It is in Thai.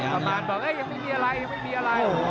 ประมาณบอกเอ้ยยยังไม่มีอะไร